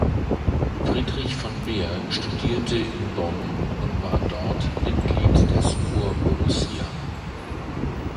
Friedrich von Behr studierte in Bonn und war dort Mitglied des Corps Borussia.